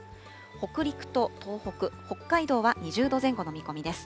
北陸と東北、北海道は２０度前後の見込みです。